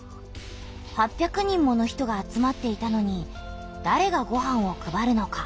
８００人もの人が集まっていたのにだれがごはんを配るのか？